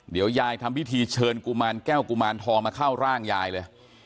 เดี๋ยวยายทำพิธีเชิญกุมารแก้วกุมารทองมาเข้าร่างยายเลย